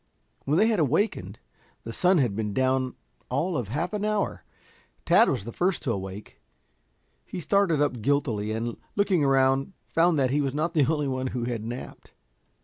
When they awakened the sun had been down all of half an hour. Tad was the first to awake. He started up guiltily, and looking around found that he was not the only one who had napped.